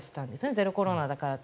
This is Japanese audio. ゼロコロナだからと。